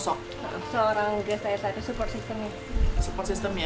seorang grace tire saat ini support systemnya